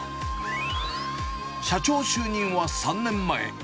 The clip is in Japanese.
社長就任は３年前。